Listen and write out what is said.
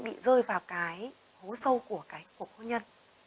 bị rơi vào cái hố sâu của cái khổ hôn nhân